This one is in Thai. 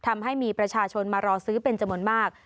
ไม่มีประชาชนมารอซื้อเป็นจมนต์มาก